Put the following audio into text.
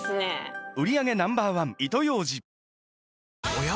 おや？